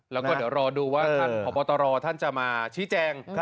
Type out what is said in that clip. แล้วก็เดี๋ยวรอดูว่าท่านพบตรท่านจะมาชี้แจง